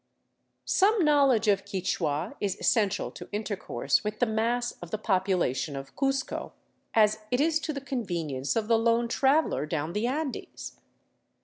Some knowledge of Quichua is essential to intercourse with the mass of the population of Cuzco, as it is to the convenience of the lone traveler down the Andes.